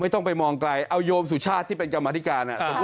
ต้องไปมองไกลเอาโยมสุชาติที่เป็นกรรมธิการ